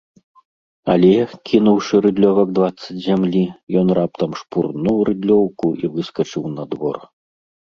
Але, кінуўшы рыдлёвак дваццаць зямлі, ён раптам шпурнуў рыдлёўку і выскачыў на двор.